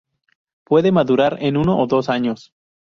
Puede madurar en uno a dos años.